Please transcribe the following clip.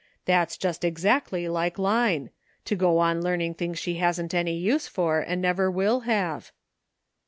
That's just ex actly like Line ; to go on learning things she hasn't any use for, and never will have."